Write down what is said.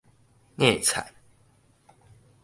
夾菜